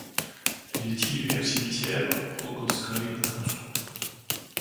Il est inhumé au cimetière Rogojskoïe, à Moscou.